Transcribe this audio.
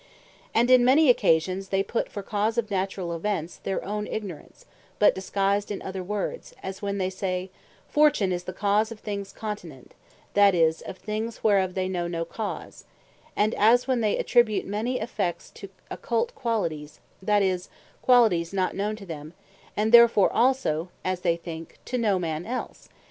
Ignorance An Occult Cause And in many occasions they put for cause of Naturall events, their own Ignorance, but disguised in other words: As when they say, Fortune is the cause of things contingent; that is, of things whereof they know no cause: And as when they attribute many Effects to Occult Qualities; that is, qualities not known to them; and therefore also (as they thinke) to no Man else.